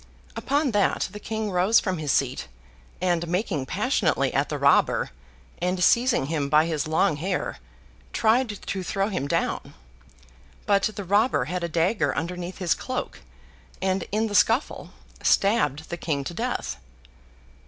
Upon that the King rose from his seat, and, making passionately at the robber, and seizing him by his long hair, tried to throw him down. But the robber had a dagger underneath his cloak, and, in the scuffle, stabbed the King to death.